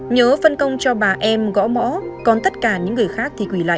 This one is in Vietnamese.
nhớ phân công cho bà em gõ mõ còn tất cả những người khác thì quỷ lại